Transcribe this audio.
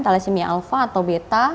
talasemia alpha atau beta